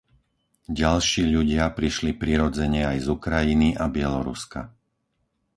Ďalší ľudia prišli prirodzene aj z Ukrajiny a Bieloruska.